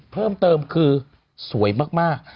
เพิ่มเติมคือสวยมาก